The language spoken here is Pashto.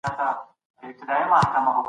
موږ پر وخت کار پيل کړی او ژر خلاص سو.